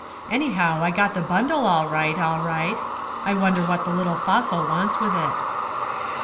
Anyhow, I got the bundle all right, all right. I wonder what the little fossil wants with it."